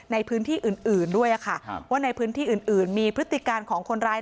ในพื้นที่อื่นอื่นด้วยอ่ะค่ะครับว่าในพื้นที่อื่นอื่นมีพฤติการของคนร้าย